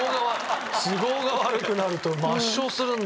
都合が悪くなると抹消するんだ。